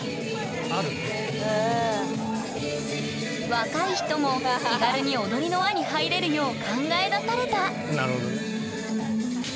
若い人も気軽に踊りの輪に入れるよう考え出されたなるほどね。